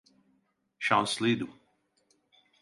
Şanslıydım.